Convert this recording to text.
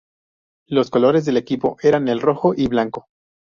Los colores del equipo eran el rojo y blanco.